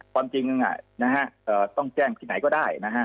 ความจริงอ่ะนะฮะเอ่อต้องแจ้งที่ไหนก็ได้นะฮะ